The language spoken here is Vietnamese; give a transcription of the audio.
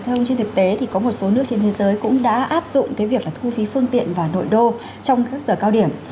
theo trên thực tế thì có một số nước trên thế giới cũng đã áp dụng cái việc là thu phí phương tiện vào nội đô trong các giờ cao điểm